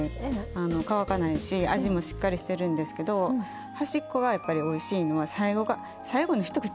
あの乾かないし味もしっかりしてるんですけど端っこがやっぱりおいしいのは最後が最後の一口が端っこなので。